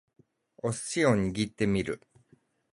お寿司を握ってみる